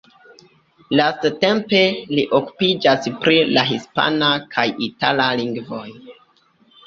Lastatempe li okupiĝas pri la hispana kaj itala lingvoj.